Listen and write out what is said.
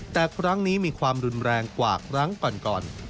แต่ครั้งนี้มีความรุนแรงกว่าครั้งก่อน